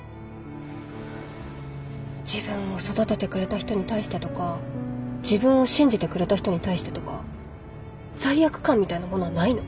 自分を育ててくれた人に対してとか自分を信じてくれた人に対してとか罪悪感みたいなものはないの？